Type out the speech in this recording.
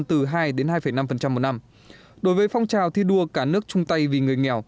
từ hai năm một năm đối với phong trào thi đua cả nước chung tay vì người nghèo